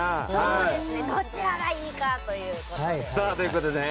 どちらがいいかということで。